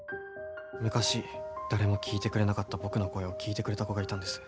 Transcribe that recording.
昔誰も聞いてくれなかった僕の声を聞いてくれた子がいたんです。